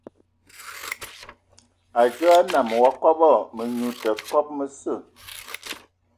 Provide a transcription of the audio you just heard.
Mədzo ya nnəm wa kɔbɔ, anyu tə kɔbɔ məsə.